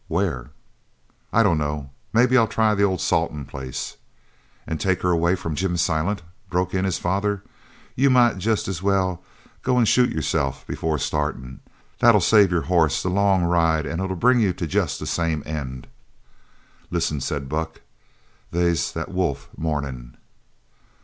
"Where?" "I dunno. Maybe I'll try the old Salton place." "And take her away from Jim Silent?" broke in his father. "You might jest as well go an' shoot yourse'f before startin'. That'll save your hoss the long ride, an' it'll bring you to jest the same end." "Listen!" said Buck, "they's the wolf mournin'!"